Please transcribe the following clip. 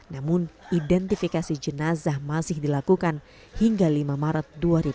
namun identifikasi jenazah masih dilakukan hingga lima maret dua ribu dua puluh